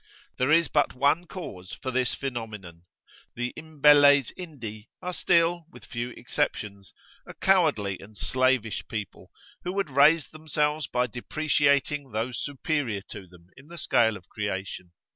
There is but one cause for this phenomenon; the "imbelles Indi" are still, with few exceptions,[FN#17] a cowardly and slavish people, who would raise themselves by depreciating those superior to them in the scale of creation.